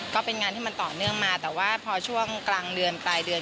ก็เป็นงานที่มันต่อเนื่องมาแต่ว่าพอช่วงกลางเดือนปลายเดือน